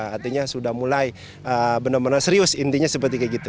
artinya sudah mulai benar benar serius intinya seperti kayak gitu